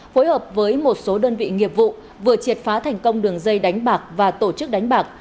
phối hợp với một số đơn vị nghiệp vụ vừa triệt phá thành công đường dây đánh bạc và tổ chức đánh bạc